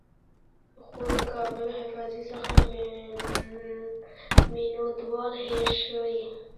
خو د کابل له حافظې څخه میوندوال هېر شوی.